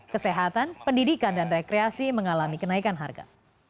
kesehatan pendidikan dan rekreasi mengalami kenaikan harga